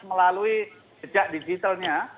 melalui jejak digitalnya